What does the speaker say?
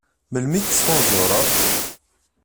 Melmi i tettfunzureḍ?